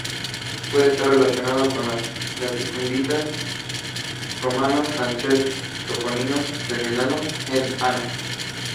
Puede estar relacionado con latifundistas romanos al ser el topónimo terminado en -ana.